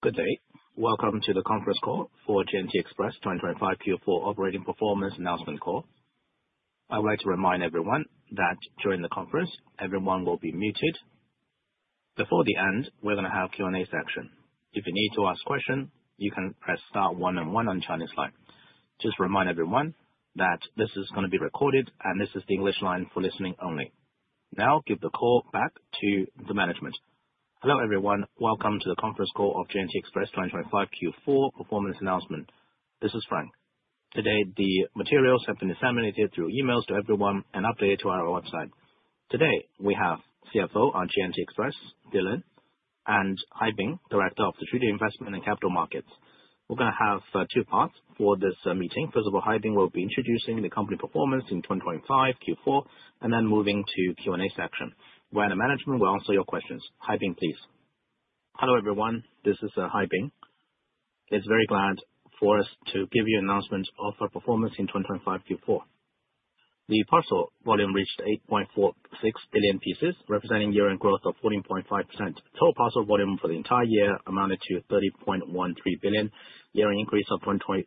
Good day. Welcome to the conference call for J&T Express 2025 Q4 operating performance announcement call. I would like to remind everyone that during the conference, everyone will be muted. Before the end, we're going to have a Q&A section. If you need to ask a question, you can press star one and one on the channel side. Just remind everyone that this is going to be recorded, and this is the English line for listening only. Now, give the call back to the management. Hello everyone, welcome to the conference call of J&T Express 2025 Q4 performance announcement. This is Frank. Today, the materials have been disseminated through emails to everyone and updated to our website. Today, we have CFO of J&T Express, Dylan, and Haibin Director of Strategic Investment and Capital Markets. We're going to have two parts for this meeting. First of all, Haibin will be introducing the company performance in 2025 Q4, and then moving to the Q&A section, where the management will answer your questions. Haibin, please. Hello everyone, this is Haibin. It's very glad for us to give you an announcement of our performance in 2025 Q4. The parcel volume reached 8.46 billion pieces, representing year-on-year growth of 14.5%. Total parcel volume for the entire year amounted to 30.13 billion, year-on-year increase of 22%.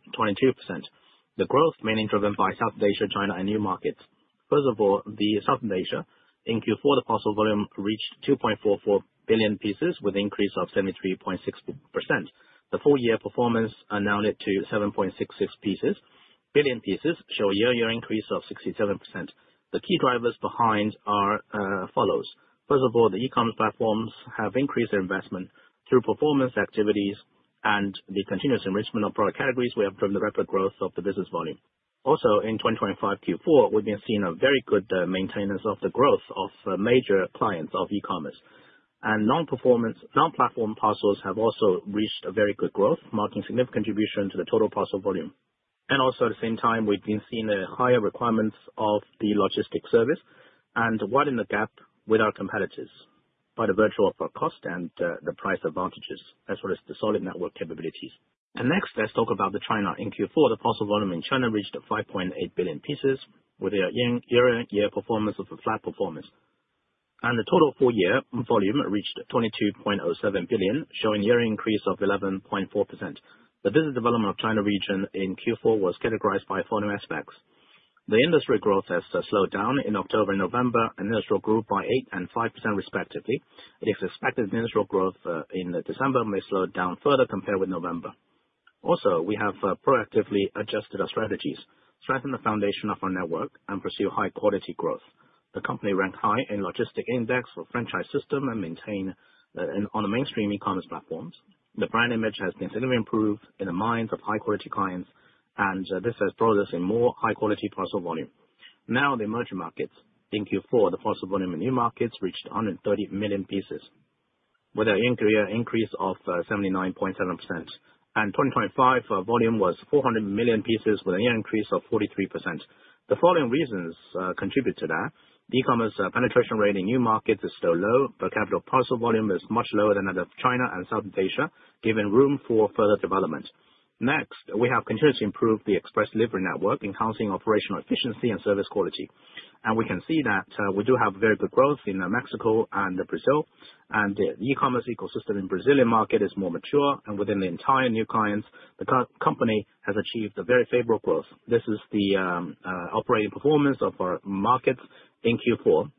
The growth mainly driven by Southeast Asia, China, and new markets. First of all, the Southeast Asia, in Q4, the parcel volume reached 2.44 billion pieces, with an increase of 73.6%. The full-year performance amounted to 7.66 billion pieces, showing a year-on-year increase of 67%. The key drivers behind are as follows. First of all, the e-commerce platforms have increased their investment through performance activities, and the continuous enrichment of product categories will have driven the rapid growth of the business volume. Also, in 2025 Q4, we've been seeing a very good maintenance of the growth of major clients of e-commerce. Non-platform parcels have also reached a very good growth, marking a significant contribution to the total parcel volume. Also, at the same time, we've been seeing a higher requirement of the logistics service, and widening the gap with our competitors by the virtue of our cost and the price advantages, as well as the solid network capabilities. Next, let's talk about China. In Q4, the parcel volume in China reached 5.8 billion pieces, with a year-on-year performance of a flat performance. The total full-year volume reached 22.07 billion, showing a year-on-year increase of 11.4%. The business development of the China region in Q4 was categorized by following aspects. The industry growth has slowed down in October and November, and industry growth by 8% and 5%, respectively. It is expected that industry growth in December may slow down further compared with November. Also, we have proactively adjusted our strategies, strengthened the foundation of our network, and pursued high-quality growth. The company ranked high in the logistics index for the franchise system and maintained on the mainstream e-commerce platforms. The brand image has been significantly improved in the minds of high-quality clients, and this has brought us in more high-quality parcel volume. Now, the emerging markets. In Q4, the parcel volume in new markets reached 130 million pieces, with a year-on-year increase of 79.7%, and 2025 volume was 400 million pieces, with a year-on-year increase of 43%. The following reasons contribute to that. The e-commerce penetration rate in new markets is still low, but per capita parcel volume is much lower than that of China and Southeast Asia, giving room for further development. Next, we have continued to improve the express delivery network, enhancing operational efficiency and service quality. We can see that we do have very good growth in Mexico and Brazil, and the e-commerce ecosystem in the Brazilian market is more mature. Within the entire new clients, the company has achieved very favorable growth. This is the operating performance of our markets in Q4.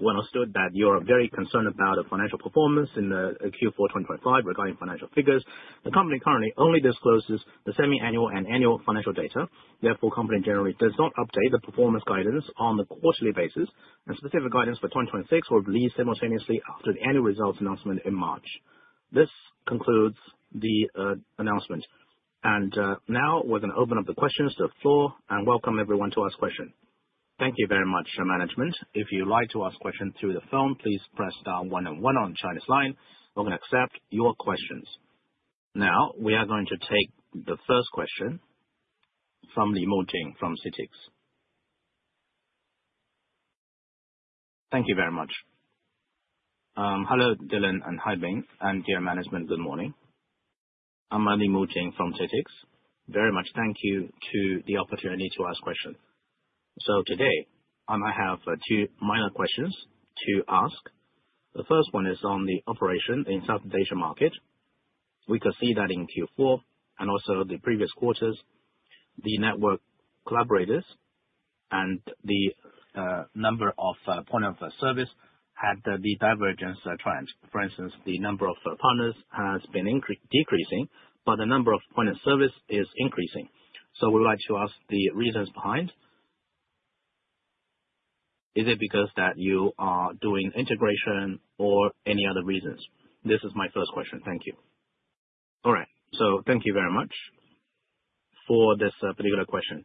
When asked that you are very concerned about the financial performance in Q4 2025 regarding financial figures, the company currently only discloses the semi-annual and annual financial data. Therefore, the company generally does not update the performance guidance on a quarterly basis, and specific guidance for 2026 will be released simultaneously after the annual results announcement in March. This concludes the announcement. Now, we're going to open up the questions to the floor and welcome everyone to ask questions. Thank you very much, management. If you'd like to ask a question through the phone, please press star one and one on the channel side. We're going to accept your questions. Now, we are going to take the first question from Li Mujing from CITIC. Thank you very much. Hello, Dylan and Haibin, and dear management. Good morning. I'm Li Mujing from CITIC. Very much, thank you for the opportunity to ask questions. So today, I have two minor questions to ask. The first one is on the operation in the Southeast Asia market. We could see that in Q4 and also the previous quarters, the network collaborators and the number of points of service had the divergence trend. For instance, the number of partners has been decreasing, but the number of points of service is increasing. So we'd like to ask the reasons behind. Is it because that you are doing integration or any other reasons? This is my first question. Thank you. All right. So thank you very much for this particular question.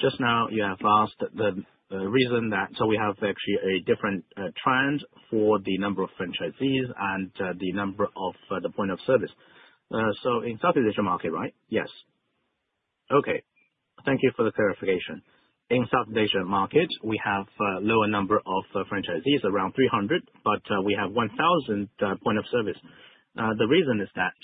Just now, you have asked the reason that so we have actually a different trend for the number of franchisees and the number of the point of service. So in Southeast Asia market, right? Yes. Okay. Thank you for the clarification. In Southeast Asia market, we have a lower number of franchisees, around 300, but we have 1,000 point of service. The reason is that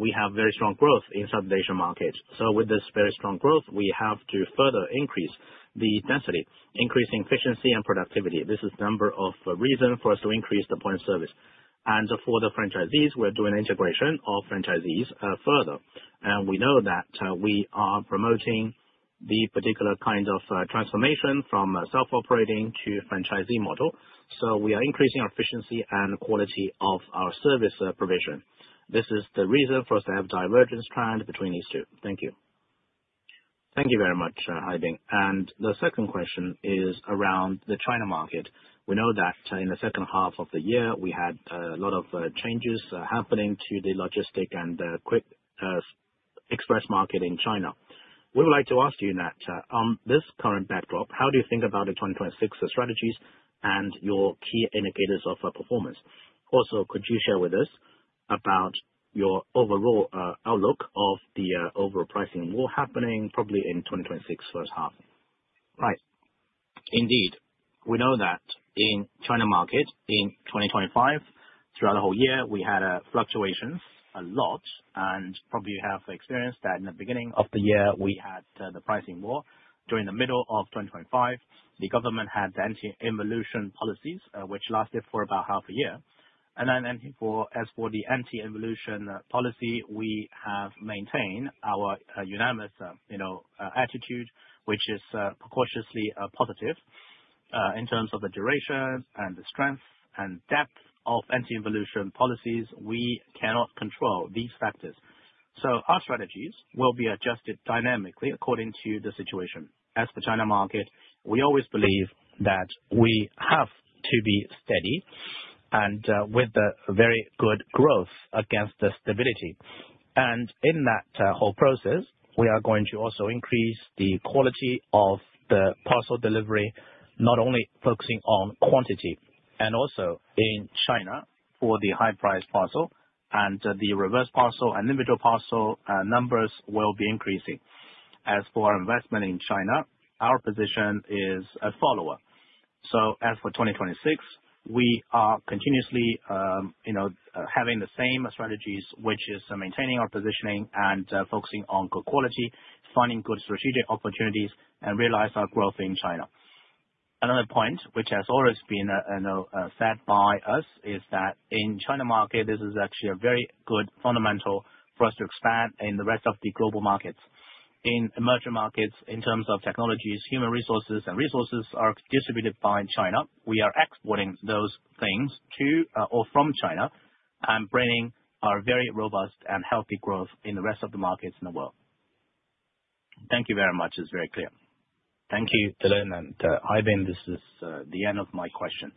we have very strong growth in Southeast Asia market. So with this very strong growth, we have to further increase the density, increasing efficiency and productivity. This is the number of reasons for us to increase the point of service. And for the franchisees, we're doing integration of franchisees further. We know that we are promoting the particular kind of transformation from self-operating to franchisee model. So we are increasing our efficiency and quality of our service provision. This is the reason for us to have a divergence trend between these two. Thank you. Thank you very much, Haibin. The second question is around the China market. We know that in the second half of the year, we had a lot of changes happening to the logistics and the quick express market in China. We would like to ask you that, on this current backdrop, how do you think about the 2026 strategies and your key indicators of performance? Also, could you share with us about your overall outlook of the overall pricing war happening probably in 2026 first half? Right. Indeed. We know that in the China market in 2025, throughout the whole year, we had fluctuations a lot, and probably you have experienced that in the beginning of the year, we had the pricing war. During the middle of 2025, the government had the anti-involution policies, which lasted for about half a year, and as for the anti-involution policy, we have maintained our unanimous attitude, which is cautiously positive in terms of the duration and the strength and depth of anti-involution policies. We cannot control these factors, so our strategies will be adjusted dynamically according to the situation. As for China market, we always believe that we have to be steady and with very good growth against the stability, and in that whole process, we are going to also increase the quality of the parcel delivery, not only focusing on quantity. Also, in China, for the high-priced parcel and the reverse parcel and individual parcel, numbers will be increasing. As for our investment in China, our position is a follower. As for 2026, we are continuously having the same strategies, which is maintaining our positioning and focusing on good quality, finding good strategic opportunities, and realizing our growth in China. Another point, which has always been said by us, is that in the China market, this is actually a very good fundamental for us to expand in the rest of the global markets. In emerging markets, in terms of technologies, human resources, and resources are distributed by China. We are exporting those things to or from China and bringing our very robust and healthy growth in the rest of the markets in the world. Thank you very much. It's very clear. Thank you, Dylan and Haibin. This is the end of my question.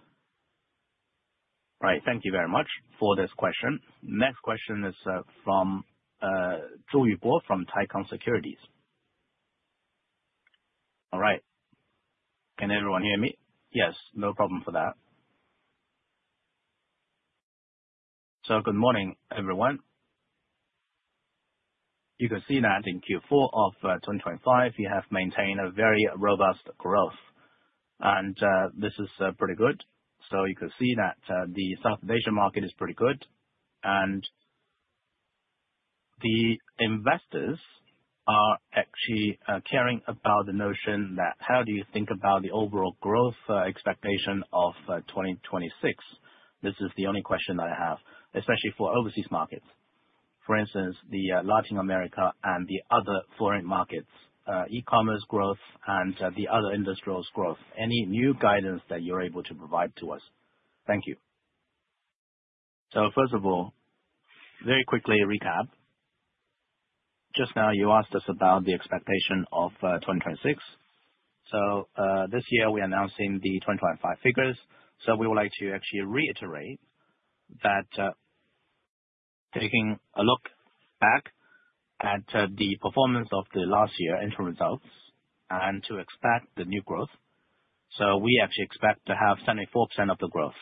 Right. Thank you very much for this question. Next question is from Zhou Yubo from Taikang Securities. All right. Can everyone hear me? Yes. No problem for that. So good morning, everyone. You can see that in Q4 of 2025, we have maintained a very robust growth. And this is pretty good. So you can see that the Southeast Asia market is pretty good. And the investors are actually caring about the notion that how do you think about the overall growth expectation of 2026? This is the only question that I have, especially for overseas markets. For instance, the Latin America and the other foreign markets, e-commerce growth and the other industrials growth. Any new guidance that you're able to provide to us? Thank you. So first of all, very quickly recap. Just now, you asked us about the expectation of 2026, so this year, we are announcing the 2025 figures, so we would like to actually reiterate that taking a look back at the performance of the last year's interim results and to expect the new growth, so we actually expect to have 74% of the growth.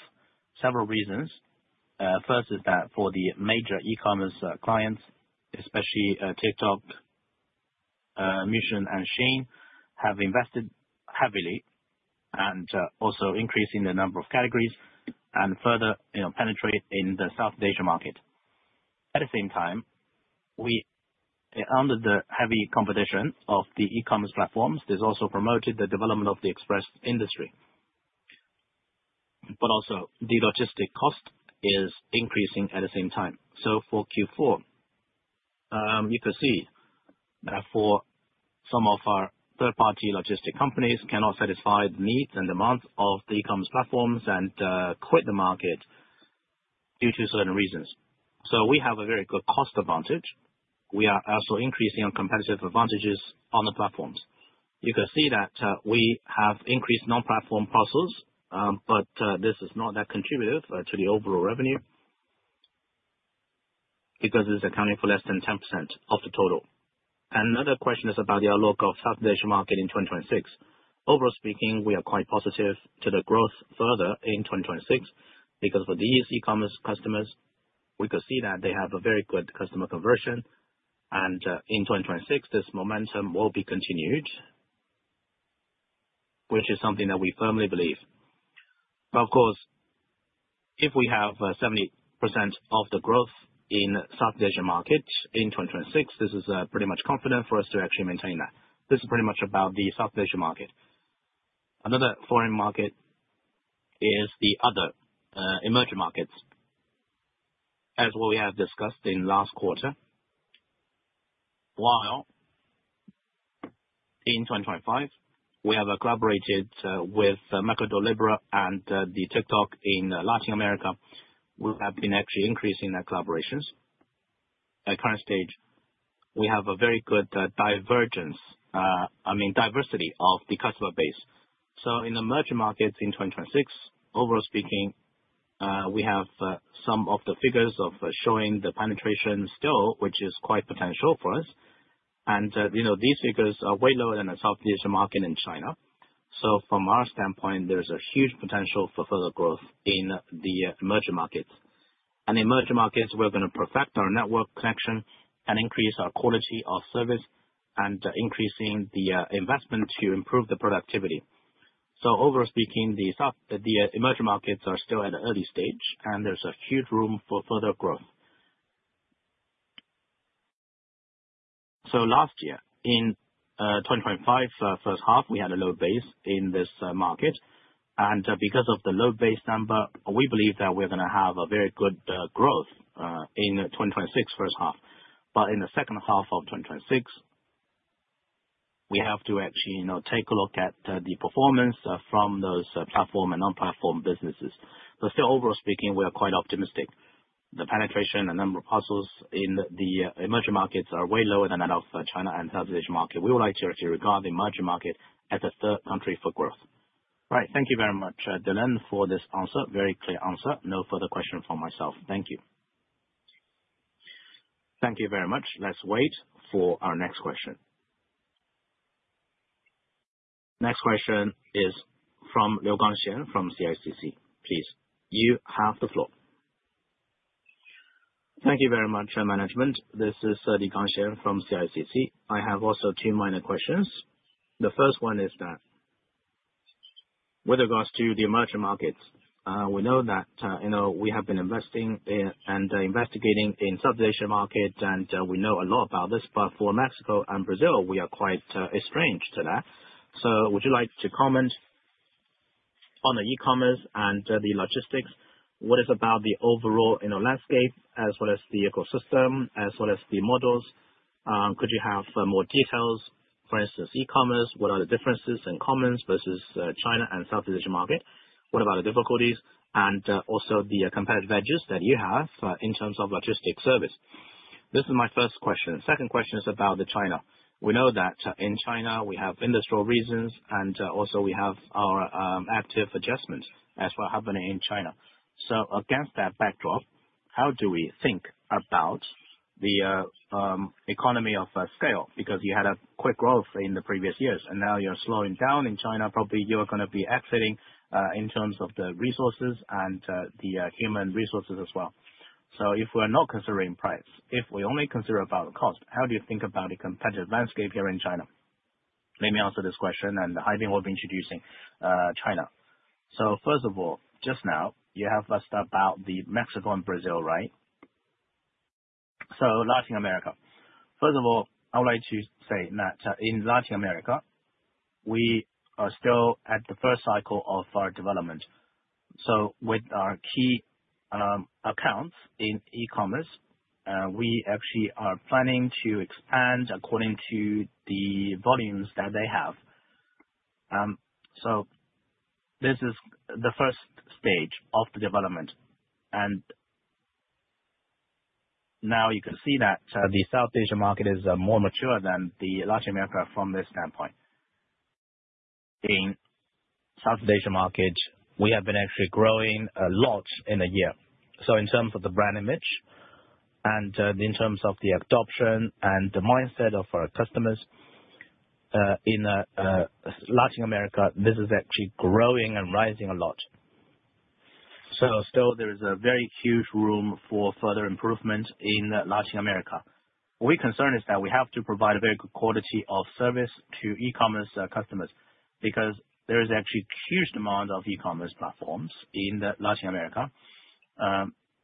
Several reasons. First is that for the major e-commerce clients, especially TikTok, Temu, and Shein, have invested heavily and also increasing the number of categories and further penetrate in the Southeast Asia market. At the same time, under the heavy competition of the e-commerce platforms, there's also promoted the development of the express industry, but also, the logistics cost is increasing at the same time. So for Q4, you could see that for some of our third-party logistics companies cannot satisfy the needs and demands of the e-commerce platforms and quit the market due to certain reasons. So we have a very good cost advantage. We are also increasing our competitive advantages on the platforms. You can see that we have increased non-platform parcels, but this is not that contributive to the overall revenue because it is accounting for less than 10% of the total. And another question is about the outlook of the Southeast Asia market in 2026. Overall speaking, we are quite positive to the growth further in 2026 because for these e-commerce customers, we could see that they have a very good customer conversion. And in 2026, this momentum will be continued, which is something that we firmly believe. Of course, if we have 70% of the growth in the Southeast Asia market in 2026, this is pretty much confident for us to actually maintain that. This is pretty much about the Southeast Asia market. Another foreign market is the other emerging markets. As we have discussed in last quarter, while in 2025, we have collaborated with Mercado Libre and the TikTok in Latin America, we have been actually increasing our collaborations. At current stage, we have a very good divergence, I mean, diversity of the customer base. So in the emerging markets in 2026, overall speaking, we have some of the figures of showing the penetration still, which is quite potential for us, and these figures are way lower than the Southeast Asia market in China. From our standpoint, there's a huge potential for further growth in the emerging markets. And emerging markets, we're going to perfect our network connection and increase our quality of service and increasing the investment to improve the productivity. So overall speaking, the emerging markets are still at an early stage, and there's a huge room for further growth. So last year, in 2025 first half, we had a low base in this market. And because of the low base number, we believe that we're going to have a very good growth in 2026 first half. But in the second half of 2026, we have to actually take a look at the performance from those platform and non-platform businesses. But still, overall speaking, we are quite optimistic. The penetration and number of parcels in the emerging markets are way lower than that of China and Southeast Asia market. We would like to actually regard the emerging market as a third country for growth. Right. Thank you very much, Dylan, for this answer, very clear answer. No further question from myself. Thank you. Thank you very much. Let's wait for our next question. Next question is from Liu Gangxian from CICC, please. You have the floor. Thank you very much, management. This is Liu Gangxian from CICC. I have also two minor questions. The first one is that with regards to the emerging markets, we know that we have been investing and investigating in the Southeast Asia market, and we know a lot about this. But for Mexico and Brazil, we are quite estranged to that. So would you like to comment on the e-commerce and the logistics? What is about the overall landscape as well as the ecosystem as well as the models? Could you have more details? For instance, e-commerce, what are the differences and commons versus China and Southeast Asia market? What about the difficulties and also the competitive edges that you have in terms of logistics service? This is my first question. Second question is about China. We know that in China, we have industrial reasons, and also we have our active adjustment as well happening in China. So against that backdrop, how do we think about the economy of scale? Because you had a quick growth in the previous years, and now you're slowing down in China. Probably you are going to be exiting in terms of the resources and the human resources as well. So if we're not considering price, if we only consider about the cost, how do you think about the competitive landscape here in China? Let me answer this question, and I think we'll be introducing China. So first of all, just now, you have asked about the Mexico and Brazil, right? So Latin America. First of all, I would like to say that in Latin America, we are still at the first cycle of our development. So with our key accounts in e-commerce, we actually are planning to expand according to the volumes that they have. So this is the first stage of the development, and now you can see that the Southeast Asia market is more mature than the Latin America from this standpoint. In Southeast Asia market, we have been actually growing a lot in a year. So in terms of the brand image and in terms of the adoption and the mindset of our customers, in Latin America, this is actually growing and rising a lot, so still, there is a very huge room for further improvement in Latin America. We're concerned is that we have to provide a very good quality of service to e-commerce customers because there is actually huge demand of e-commerce platforms in Latin America.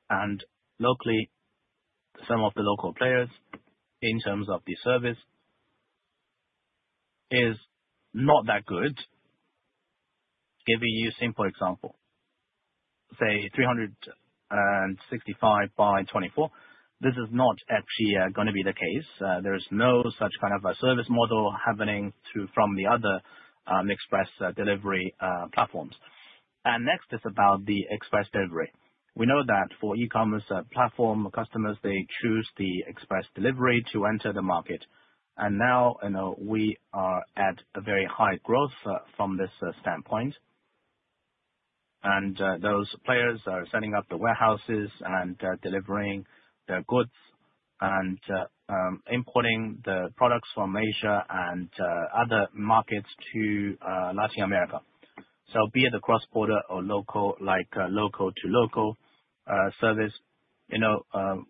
And locally, some of the local players in terms of the service is not that good. Giving you a simple example, say 365 by 24, this is not actually going to be the case. There is no such kind of a service model happening from the other express delivery platforms. And next is about the express delivery. We know that for e-commerce platform customers, they choose the express delivery to enter the market. And now we are at a very high growth from this standpoint. And those players are setting up the warehouses and delivering their goods and importing the products from Asia and other markets to Latin America. So be it the cross-border or local like local to local service,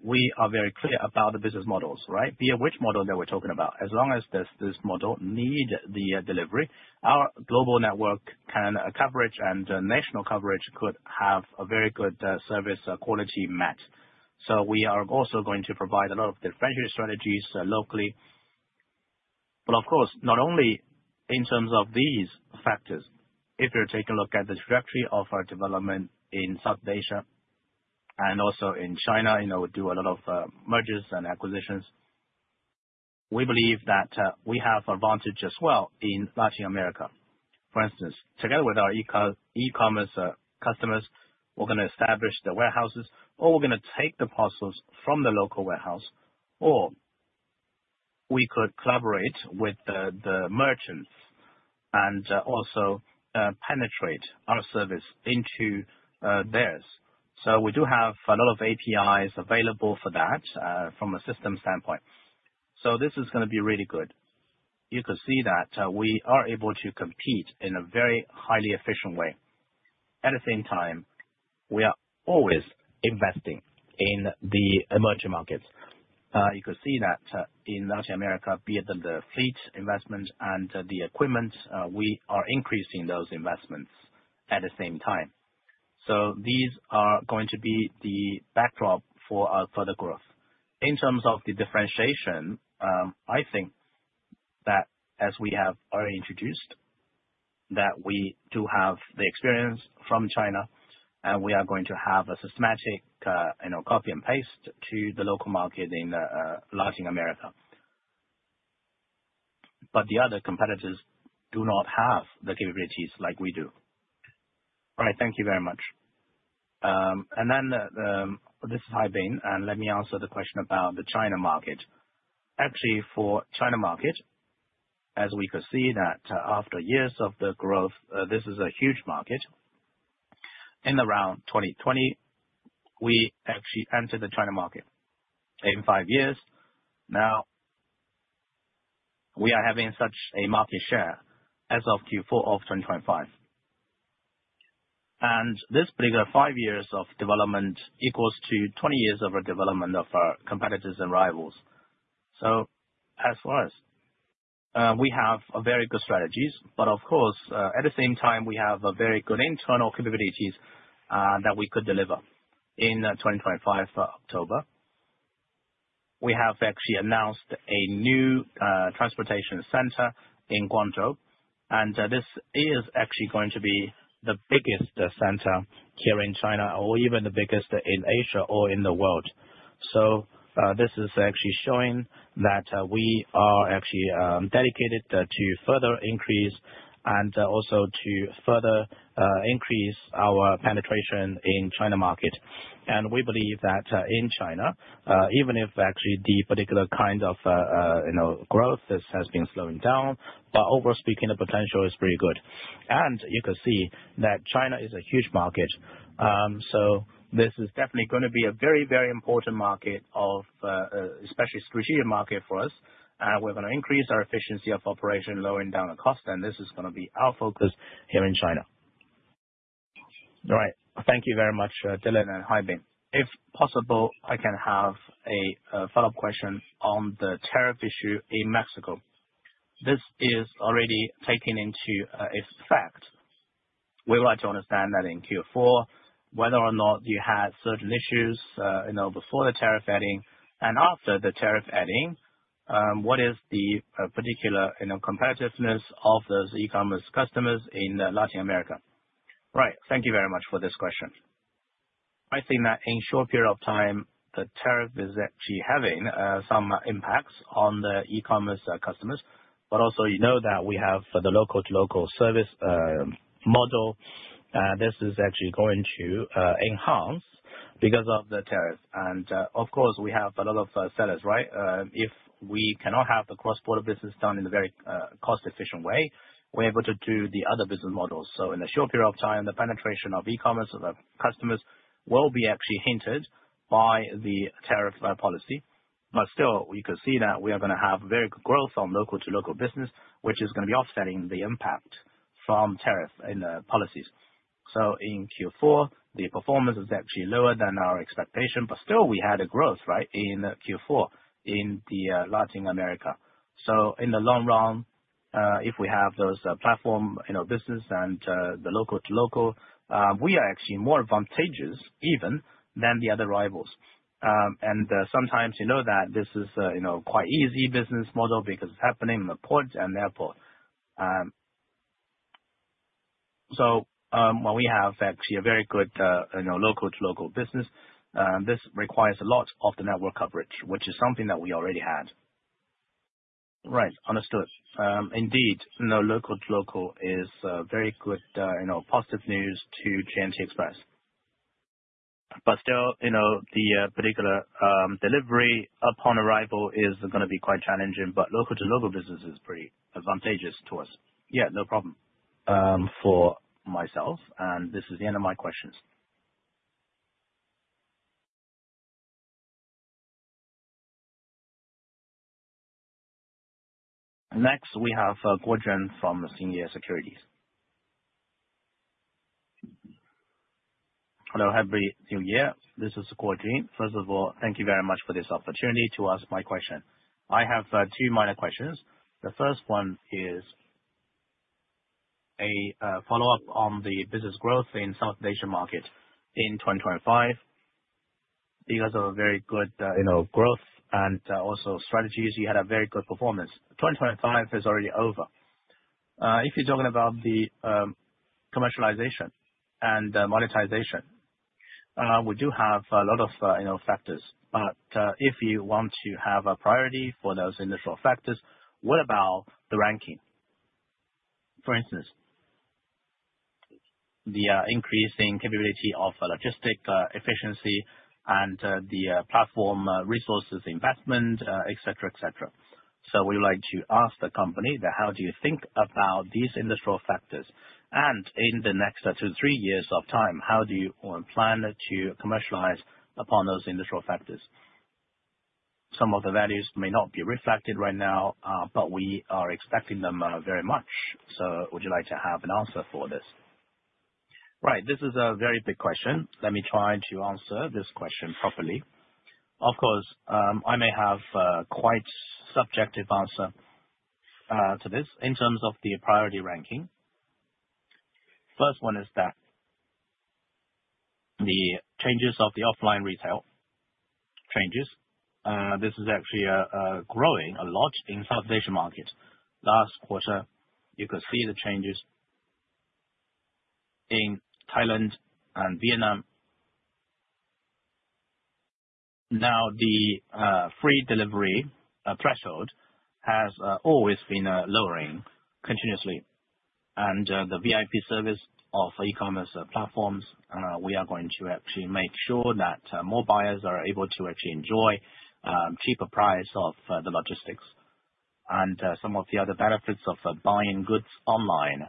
we are very clear about the business models, right? Be it which model that we're talking about, as long as this model needs the delivery, our global network can cover and national coverage could have a very good service quality match. So we are also going to provide a lot of differential strategies locally. But of course, not only in terms of these factors, if you're taking a look at the trajectory of our development in Southeast Asia and also in China, we do a lot of mergers and acquisitions. We believe that we have advantage as well in Latin America. For instance, together with our e-commerce customers, we're going to establish the warehouses, or we're going to take the parcels from the local warehouse, or we could collaborate with the merchants and also penetrate our service into theirs. So we do have a lot of APIs available for that from a system standpoint. So this is going to be really good. You can see that we are able to compete in a very highly efficient way. At the same time, we are always investing in the emerging markets. You can see that in Latin America, be it the fleet investment and the equipment, we are increasing those investments at the same time. So these are going to be the backdrop for our further growth. In terms of the differentiation, I think that as we have already introduced, that we do have the experience from China, and we are going to have a systematic copy and paste to the local market in Latin America. But the other competitors do not have the capabilities like we do. Right. Thank you very much. And then this is Haibin, and let me answer the question about the China market. Actually, for China market, as we can see that after years of the growth, this is a huge market. In around 2020, we actually entered the China market. In five years, now we are having such a market share as of Q4 of 2025. And this bigger five years of development equals to 20 years of our development of our competitors and rivals. So as far as we have very good strategies, but of course, at the same time, we have very good internal capabilities that we could deliver. In 2025 October, we have actually announced a new transportation center in Guangzhou, and this is actually going to be the biggest center here in China or even the biggest in Asia or in the world. So this is actually showing that we are actually dedicated to further increase and also to further increase our penetration in China market. And we believe that in China, even if actually the particular kind of growth has been slowing down, but overall speaking, the potential is pretty good. And you can see that China is a huge market. So this is definitely going to be a very, very important market of especially strategic market for us. We're going to increase our efficiency of operation, lowering down the cost, and this is going to be our focus here in China. All right. Thank you very much, Dylan and Haibin. If possible, I can have a follow-up question on the tariff issue in Mexico. This is already taking into effect. We would like to understand that in Q4, whether or not you had certain issues before the tariff adding and after the tariff adding, what is the particular competitiveness of those e-commerce customers in Latin America? Right. Thank you very much for this question. I think that in a short period of time, the tariff is actually having some impacts on the e-commerce customers. But also you know that we have the local to local service model. This is actually going to enhance because of the tariff. And of course, we have a lot of sellers, right? If we cannot have the cross-border business done in a very cost-efficient way, we're able to do the other business models, so in a short period of time, the penetration of e-commerce customers will be actually hindered by the tariff policy, but still, you can see that we are going to have very good growth on local-to-local business, which is going to be offsetting the impact from tariff policies, so in Q4, the performance is actually lower than our expectation, but still, we had a growth, right, in Q4 in Latin America, so in the long run, if we have those platform business and the local-to-local, we are actually more advantageous even than the other rivals, and sometimes you know that this is quite easy business model because it's happening in the port and airport. So when we have actually a very good local to local business, this requires a lot of the network coverage, which is something that we already had. Right. Understood. Indeed, local to local is very good positive news to J&T Express. But still, the particular delivery upon arrival is going to be quite challenging, but local to local business is pretty advantageous to us. Yeah, no problem. For myself, and this is the end of my questions. Next, we have Guo Jun from Sinolink Securities. Hello, Haibin here. This is Guo Jun. First of all, thank you very much for this opportunity to ask my question. I have two minor questions. The first one is a follow-up on the business growth in Southeast Asia market in 2025. Because of a very good growth and also strategies, you had a very good performance. 2025 is already over. If you're talking about the commercialization and monetization, we do have a lot of factors, but if you want to have a priority for those initial factors, what about the ranking? For instance, the increasing capability of logistics efficiency and the platform resources investment, etc., etc., so we would like to ask the company that how do you think about these industrial factors? And in the next two to three years of time, how do you plan to commercialize upon those industrial factors? Some of the values may not be reflected right now, but we are expecting them very much, so would you like to have an answer for this? Right. This is a very big question. Let me try to answer this question properly. Of course, I may have quite a subjective answer to this in terms of the priority ranking. First one is that the changes of the offline retail changes. This is actually growing a lot in Southeast Asia market. Last quarter, you could see the changes in Thailand and Vietnam. Now, the free delivery threshold has always been lowering continuously, and the VIP service of e-commerce platforms. We are going to actually make sure that more buyers are able to actually enjoy a cheaper price of the logistics and some of the other benefits of buying goods online,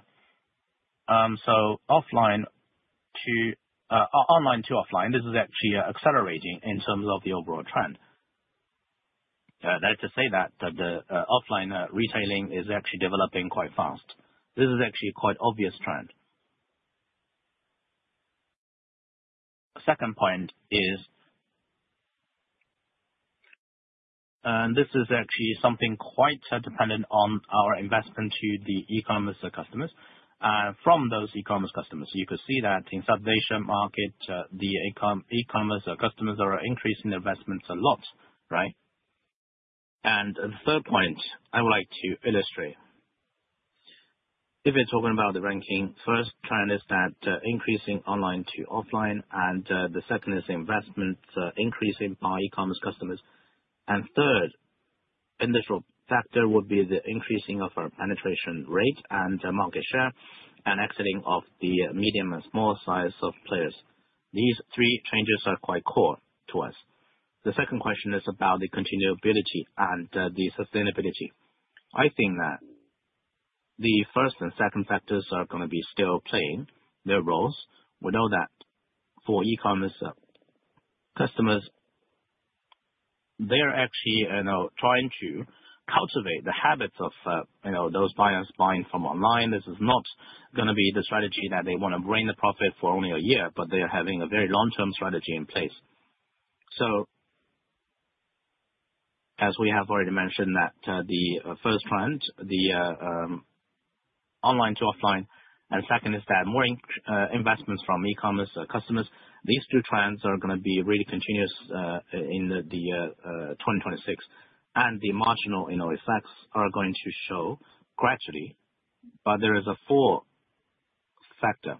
so online to offline. This is actually accelerating in terms of the overall trend. That is to say that the offline retailing is actually developing quite fast. This is actually a quite obvious trend. Second point is, and this is actually something quite dependent on our investment to the e-commerce customers. From those e-commerce customers, you can see that in Southeast Asia market, the e-commerce customers are increasing their investments a lot, right? And the third point I would like to illustrate. If you're talking about the ranking, first trend is that increasing online to offline, and the second is investment increasing by e-commerce customers. And third, initial factor would be the increasing of our penetration rate and market share and exiting of the medium and small size of players. These three changes are quite core to us. The second question is about the continuity and the sustainability. I think that the first and second factors are going to be still playing their roles. We know that for e-commerce customers, they are actually trying to cultivate the habits of those buyers buying from online. This is not going to be the strategy that they want to bring the profit for only a year, but they are having a very long-term strategy in place. So as we have already mentioned that the first trend, the online to offline, and second is that more investments from e-commerce customers. These two trends are going to be really continuous in the 2026, and the marginal effects are going to show gradually. But there is a fourth factor,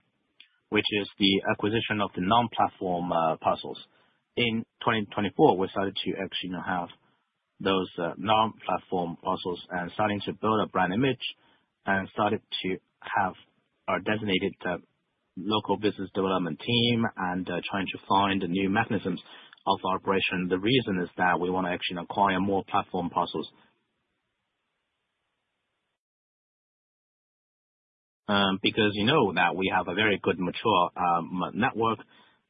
which is the acquisition of the non-platform parcels. In 2024, we started to actually have those non-platform parcels and starting to build a brand image and started to have our designated local business development team and trying to find new mechanisms of our operation. The reason is that we want to actually acquire more platform parcels. Because you know that we have a very good mature network,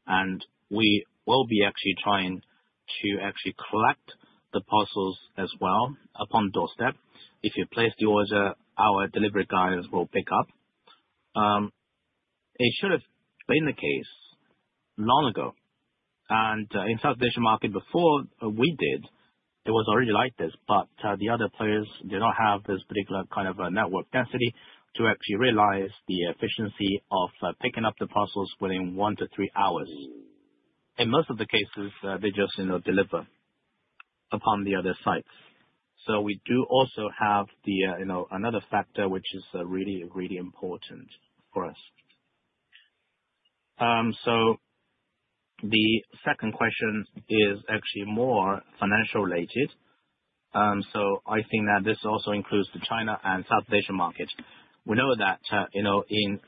and we will be actually trying to collect the parcels as well upon doorstep. If you place the order, our delivery guys will pick up. It should have been the case long ago, and in Southeast Asia market, before we did, it was already like this, but the other players do not have this particular kind of network density to actually realize the efficiency of picking up the parcels within one to three hours. In most of the cases, they just deliver upon the other sites, so we do also have another factor, which is really, really important for us, so the second question is actually more financial related, so I think that this also includes the China and Southeast Asia market. We know that in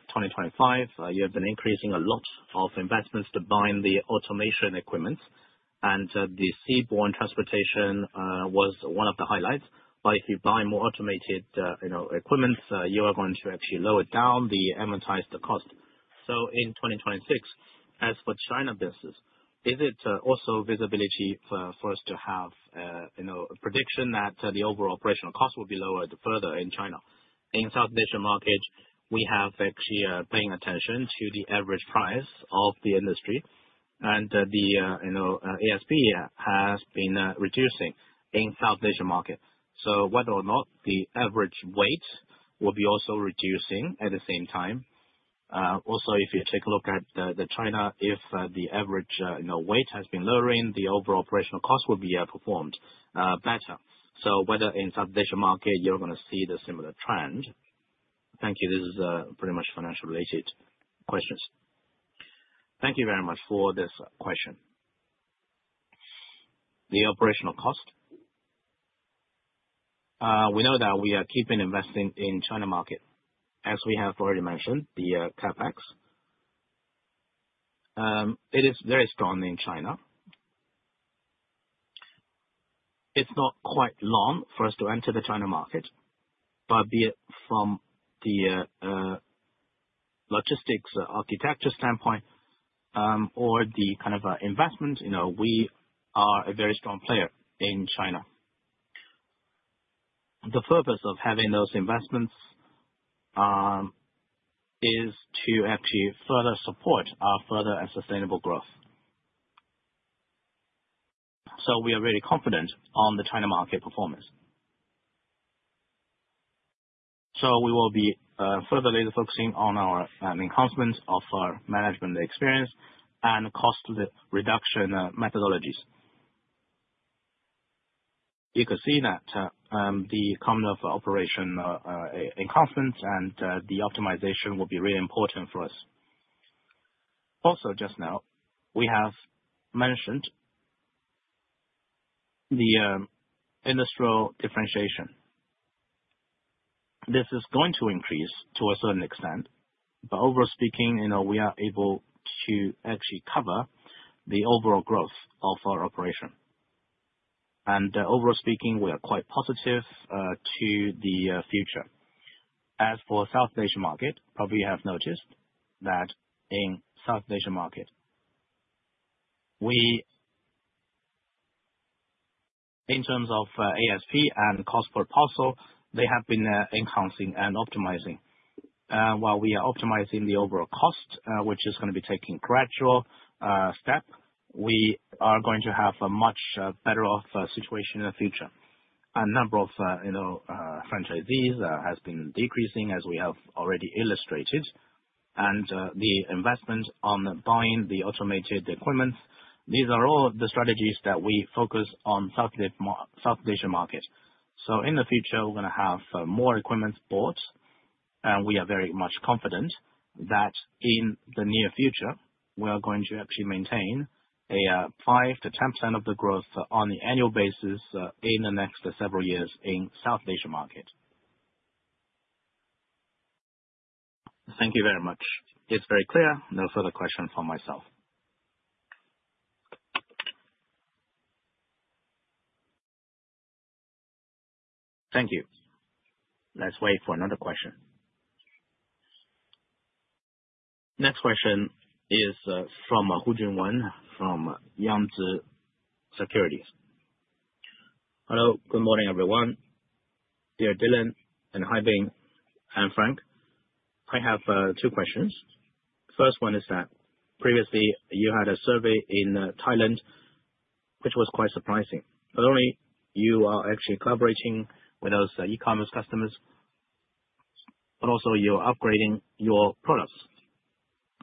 2025, you have been increasing a lot of investments to buy the automation equipment, and the seaborne transportation was one of the highlights, but if you buy more automated equipment, you are going to actually lower down the amortized cost, so in 2026, as for China business, is it also visibility for us to have a prediction that the overall operational cost will be lowered further in China? In Southeast Asia market, we have actually been paying attention to the average price of the industry, and the ASP has been reducing in Southeast Asia market, so whether or not the average weight will be also reducing at the same time. Also, if you take a look at China, if the average weight has been lowering, the overall operational cost will be performed better. Whether in Southeast Asia market, you're going to see the similar trend. Thank you. This is pretty much financial-related questions. Thank you very much for this question. The operational cost. We know that we are keeping investing in China market. As we have already mentioned, the CapEx, it is very strong in China. It's not quite long for us to enter the China market, but from the logistics architecture standpoint or the kind of investment, we are a very strong player in China. The purpose of having those investments is to actually further support our further and sustainable growth. We are really confident on the China market performance. We will be furtherly focusing on our enhancement of our management experience and cost reduction methodologies. You can see that the kind of operation enhancements and the optimization will be really important for us. Also, just now, we have mentioned the industrial differentiation. This is going to increase to a certain extent, but overall speaking, we are able to actually cover the overall growth of our operation. And overall speaking, we are quite positive to the future. As for Southeast Asia market, probably you have noticed that in Southeast Asia market, in terms of ASP and cost per parcel, they have been enhancing and optimizing. While we are optimizing the overall cost, which is going to be taking a gradual step, we are going to have a much better situation in the future. A number of franchisees has been decreasing, as we have already illustrated, and the investment on buying the automated equipment, these are all the strategies that we focus on Southeast Asia market. So in the future, we're going to have more equipment bought, and we are very much confident that in the near future, we are going to actually maintain a 5%-10% of the growth on the annual basis in the next several years in Southeast Asia market. Thank you very much. It's very clear. No further question for myself. Thank you. Let's wait for another question. Next question is from Hu Junwen from Yangtze Securities. Hello. Good morning, everyone. Dear Dylan and Haibin and Frank, I have two questions. First one is that previously you had a survey in Thailand, which was quite surprising. Not only are you actually collaborating with those e-commerce customers, but also you're upgrading your products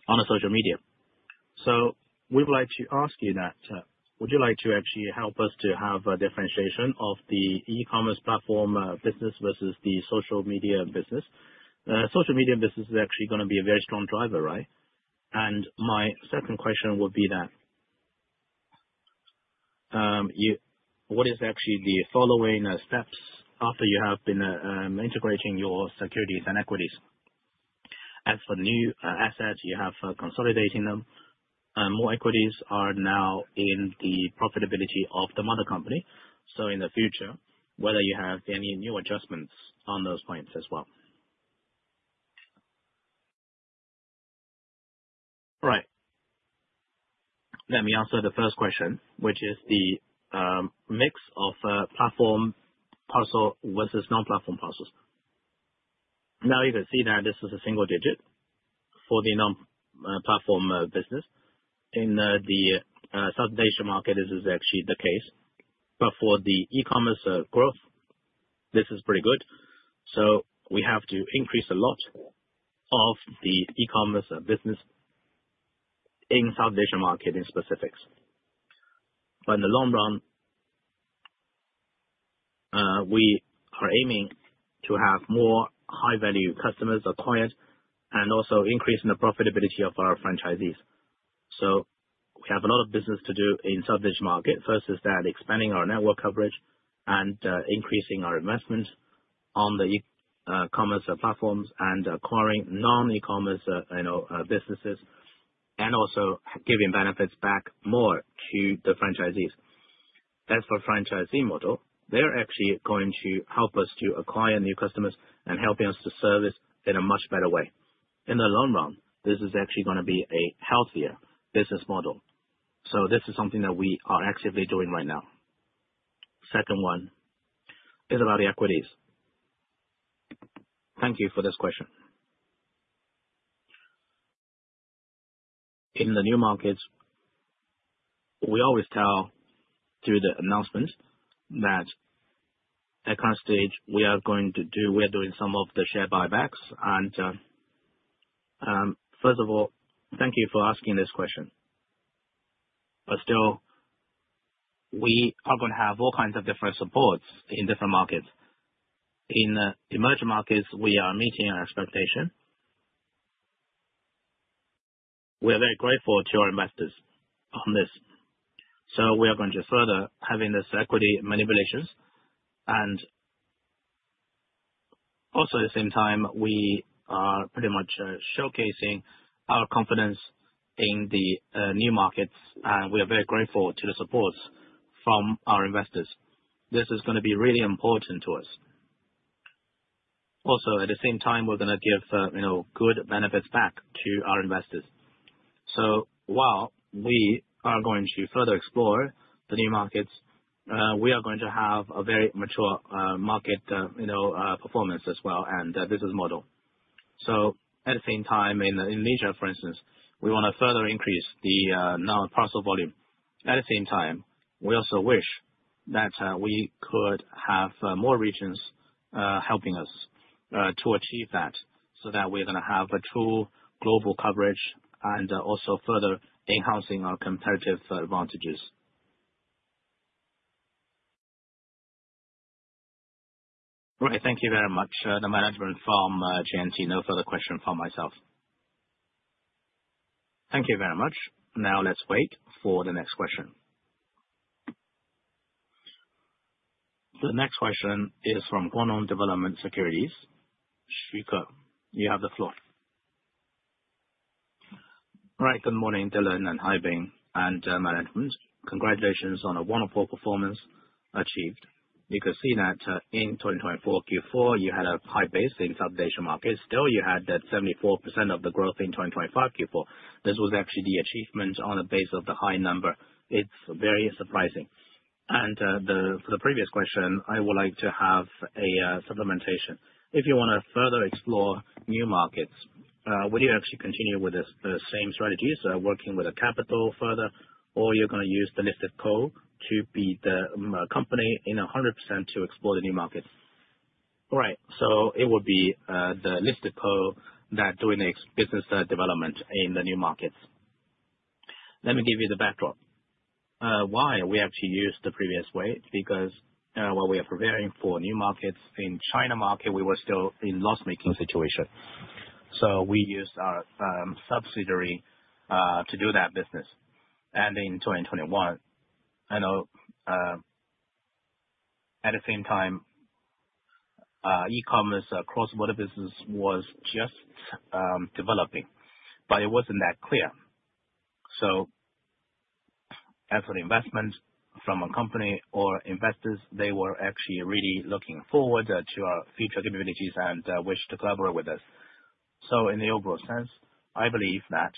on social media. We'd like to ask you that. Would you like to actually help us to have a differentiation of the e-commerce platform business versus the social media business? Social media business is actually going to be a very strong driver, right? And my second question would be that. What is actually the following steps after you have been integrating your securities and equities? As for new assets, you have consolidating them. More entitites are now in the profitability of the mother company. So in the future, whether you have any new adjustments on those points as well. All right. Let me answer the first question, which is the mix of platform parcel versus non-platform parcels. Now, you can see that this is a single digit for the non-platform business. In the Southeast Asia market, this is actually the case. But for the e-commerce growth, this is pretty good. So we have to increase a lot of the e-commerce business in Southeast Asia market in specifics. But in the long run, we are aiming to have more high-value customers acquired and also increase the profitability of our franchisees. So we have a lot of business to do in Southeast Asia market. First is that expanding our network coverage and increasing our investment on the e-commerce platforms and acquiring non-e-commerce businesses and also giving benefits back more to the franchisees. As for franchisee model, they're actually going to help us to acquire new customers and helping us to service in a much better way. In the long run, this is actually going to be a healthier business model. So this is something that we are actively doing right now. Second one is about the equities. Thank you for this question. In the new markets, we always tell through the announcement that at current stage, we are doing some of the share buybacks. First of all, thank you for asking this question. Still, we are going to have all kinds of different supports in different markets. In emerging markets, we are meeting our expectation. We are very grateful to our investors on this. We are going to further have this equity incentives. Also at the same time, we are pretty much showcasing our confidence in the new markets, and we are very grateful to the supports from our investors. This is going to be really important to us. At the same time, we're going to give good benefits back to our investors. So while we are going to further explore the new markets, we are going to have a very mature market performance as well and business model. So at the same time, in Indonesia, for instance, we want to further increase the non-platform parcel volume. At the same time, we also wish that we could have more regions helping us to achieve that so that we're going to have a true global coverage and also further enhancing our competitive advantages. Right. Thank you very much, the management from J&T. No further question from myself. Thank you very much. Now, let's wait for the next question. The next question is from Guangdong Development Securities, Xu Ge. You have the floor. Right. Good morning, Dylan and Haibin and management. Congratulations on a wonderful performance achieved. You can see that in 2024 Q4, you had a high base in Southeast Asia market. Still, you had that 74% of the growth in 2025 Q4. This was actually the achievement on the base of the high number. It's very surprising. And for the previous question, I would like to have a supplementation. If you want to further explore new markets, would you actually continue with the same strategies, working with a capital further, or you're going to use the listed co to be the company in 100% to explore the new markets? All right. So it would be the listed co that doing the business development in the new markets. Let me give you the backdrop. Why we actually used the previous way? Because while we are preparing for new markets in China market, we were still in loss-making situation. So we used our subsidiary to do that business. In 2021, I know at the same time, e-commerce cross-border business was just developing, but it wasn't that clear. As for the investment from a company or investors, they were actually really looking forward to our future capabilities and wished to collaborate with us. In the overall sense, I believe that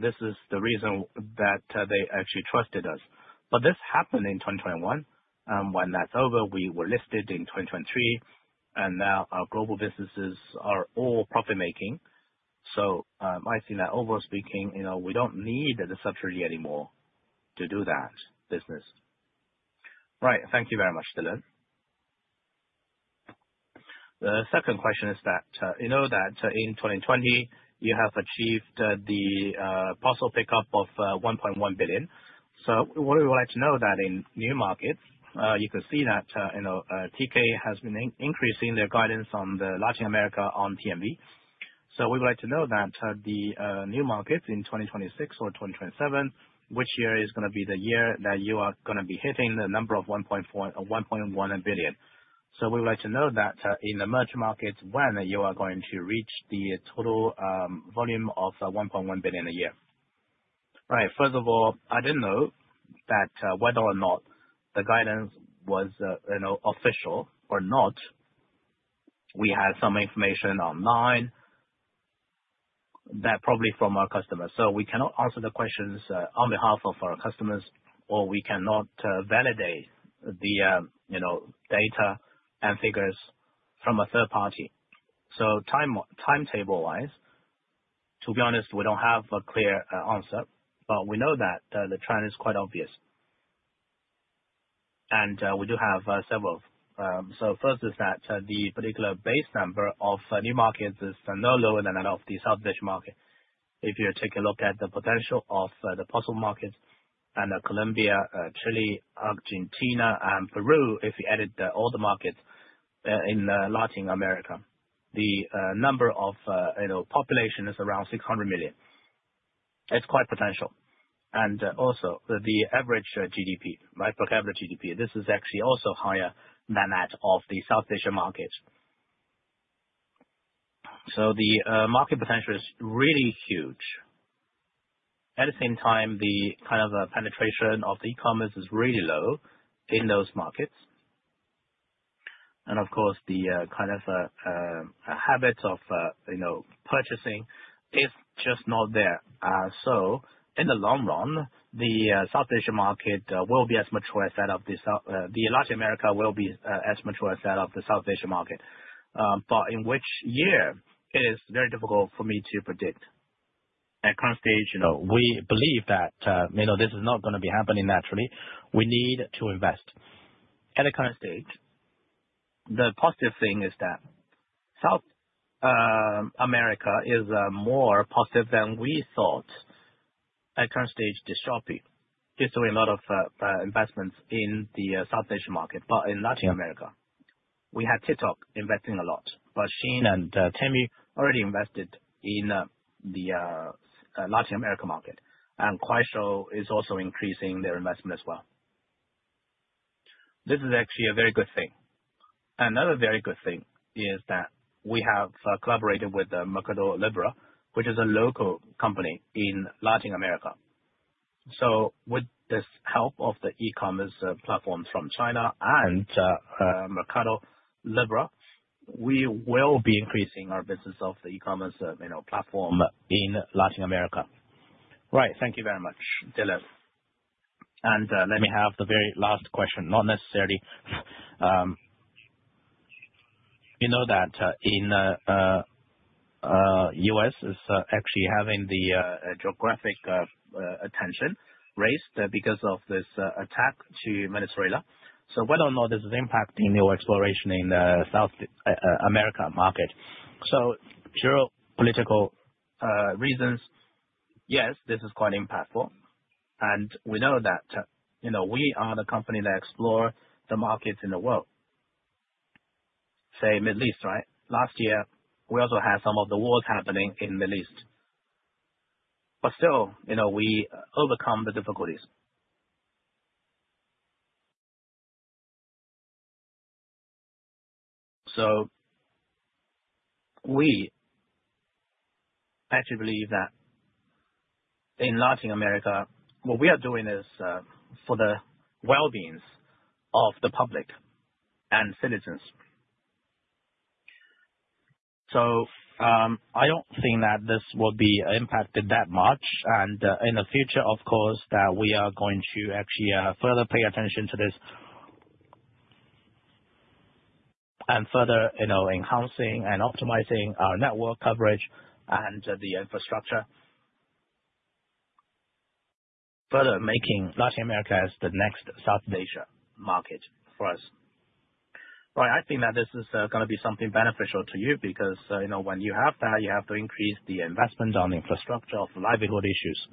this is the reason that they actually trusted us. This happened in 2021. When that's over, we were listed in 2023, and now our global businesses are all profit-making. I think that overall speaking, we don't need the subsidiary anymore to do that business. Right. Thank you very much, Dylan. The second question is that you know that in 2020, you have achieved the parcel pickup of 1.1 billion. So we would like to know that in new markets, you can see that Temu has been increasing their guidance on Latin America on Temu. So we would like to know that the new markets in 2026 or 2027, which year is going to be the year that you are going to be hitting the number of 1.1 billion? So we would like to know that in the merchant markets, when you are going to reach the total volume of 1.1 billion a year. Right. First of all, I didn't know that whether or not the guidance was official or not. We had some information online that probably from our customers. So we cannot answer the questions on behalf of our customers, or we cannot validate the data and figures from a third party. So timetable-wise, to be honest, we don't have a clear answer, but we know that the trend is quite obvious. And we do have several. So first is that the particular base number of new markets is no lower than that of the Southeast Asia market. If you take a look at the potential of the parcel markets and Colombia, Chile, Argentina, and Peru, if you added all the markets in Latin America, the number of population is around 600 million. It's quite potential. And also the average GDP, my per capita GDP, this is actually also higher than that of the Southeast Asia markets. So the market potential is really huge. At the same time, the kind of penetration of the e-commerce is really low in those markets. And of course, the kind of habits of purchasing is just not there. So in the long run, the Southeast Asia market will be as mature as that of the South. The Latin America will be as mature as that of the Southeast Asia market. But in which year, it is very difficult for me to predict. At current stage, we believe that this is not going to be happening naturally. We need to invest. At the current stage, the positive thing is that South America is more positive than we thought. At current stage, the Shopee is doing a lot of investments in the Southeast Asia market, but in Latin America, we had TikTok investing a lot. But Shein and Temu already invested in the Latin America market, and Kuaishou is also increasing their investment as well. This is actually a very good thing. Another very good thing is that we have collaborated with Mercado Libre, which is a local company in Latin America. So with this help of the e-commerce platforms from China and Mercado Libre, we will be increasing our business of the e-commerce platform in Latin America. Right. Thank you very much, Dylan. And let me have the very last question, not necessarily. You know that in the US, it's actually having the geopolitical attention raised because of this attack to Venezuela. So whether or not this is impacting new exploration in the South America market. So geopolitical reasons, yes, this is quite impactful. And we know that we are the company that explores the markets in the world, say, Middle East, right? Last year, we also had some of the wars happening in the Middle East. But still, we overcome the difficulties. So we actually believe that in Latin America, what we are doing is for the well-being of the public and citizens. So I don't think that this will be impacted that much. And in the future, of course, that we are going to actually further pay attention to this and further enhancing and optimizing our network coverage and the infrastructure, further making Latin America as the next Southeast Asia market for us. Right. I think that this is going to be something beneficial to you because when you have that, you have to increase the investment on infrastructure for livelihood issues.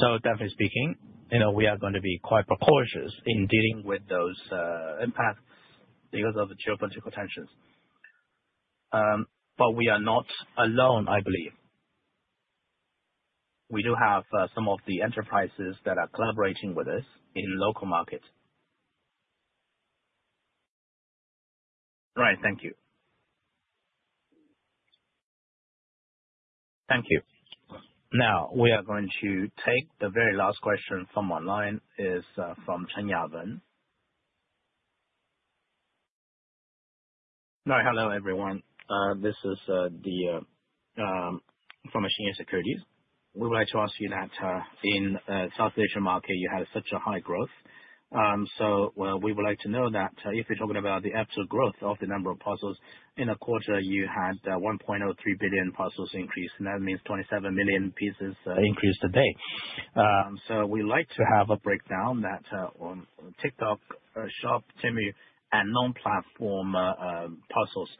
So definitely speaking, we are going to be quite cautious in dealing with those impacts because of the geopolitical tensions. But we are not alone, I believe. We do have some of the enterprises that are collaborating with us in local markets. Right. Thank you. Thank you. Now, we are going to take the very last question from online, which is from Cheng Yawen. Right. Hello, everyone. This is Cheng Yawen from Minsheng Securities. We would like to ask you that in Southeast Asia market, you had such a high growth. So we would like to know that if you're talking about the absolute growth of the number of parcels, in a quarter, you had 1.03 billion parcels increased. And that means 27 million pieces increased a day. So we'd like to have a breakdown that on TikTok, Shopee, Temu, and non-platform parcels.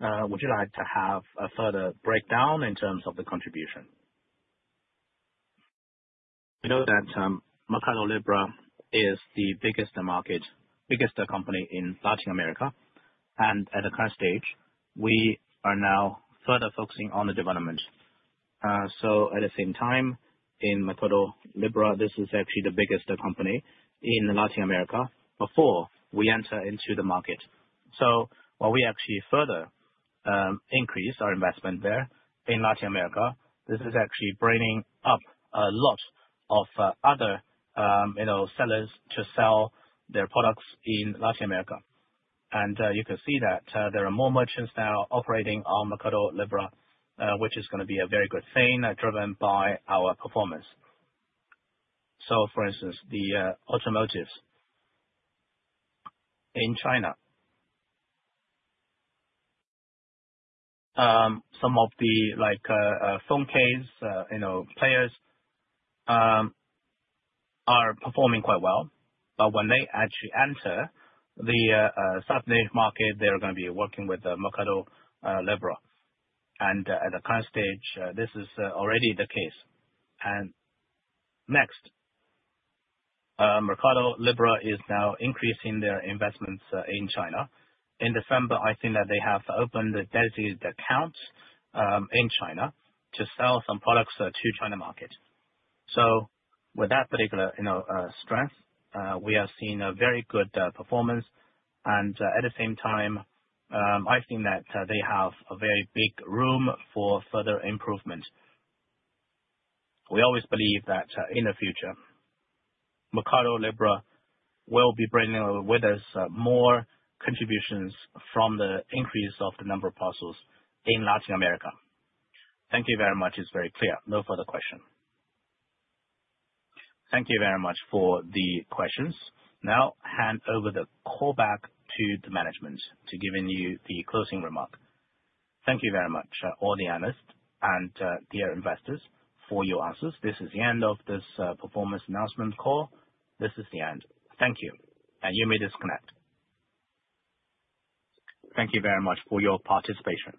Would you like to have a further breakdown in terms of the contribution? We know that Mercado Libre is the biggest market, biggest company in Latin America. And at the current stage, we are now further focusing on the development. So at the same time, in Mercado Libre, this is actually the biggest company in Latin America before we enter into the market, so while we actually further increase our investment there in Latin America, this is actually bringing up a lot of other sellers to sell their products in Latin America, and you can see that there are more merchants now operating on Mercado Libre, which is going to be a very good thing driven by our performance, so for instance, the automotives in China, some of the phone case players are performing quite well, but when they actually enter the Southeast Asia market, they're going to be working with Mercado Libre, and at the current stage, this is already the case, and next, Mercado Libre is now increasing their investments in China. In December, I think that they have opened seller accounts in China to sell some products to China market. So with that particular strength, we have seen a very good performance. And at the same time, I think that they have a very big room for further improvement. We always believe that in the future, Mercado Libre will be bringing with us more contributions from the increase of the number of parcels in Latin America. Thank you very much. It's very clear. No further question. Thank you very much for the questions. Now, hand over the call back to the management to give you the closing remark. Thank you very much, all the analysts and dear investors for your answers. This is the end of this performance announcement call. This is the end. Thank you, and you may disconnect. Thank you very much for your participation.